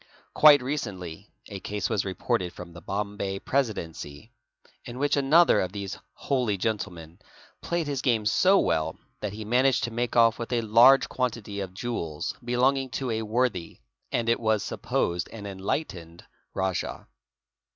Quite recently a case was reported fron 1 the Bombay Presidency in which another of these holy gentlemen played his game so well that he managed to make off with a large quantity of jewels belonging to a worthy and it was supposed an enlightened rajah.